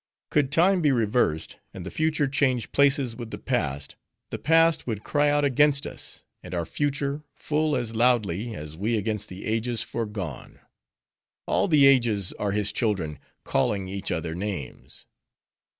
Could time be reversed, and the future change places with the past, the past would cry out against us, and our future, full as loudly, as we against the ages foregone. All the Ages are his children, calling each other names.